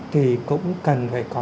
thì cũng cần phải có